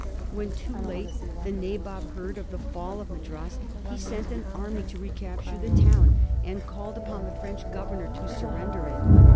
When, too late, the Nabob heard of the fall of Madras, he sent an army to recapture the town, and called upon the French governor to surrender it.